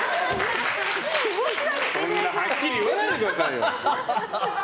そんなはっきり言わないでくださいよ！